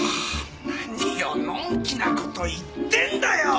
何をのんきな事言ってんだよ！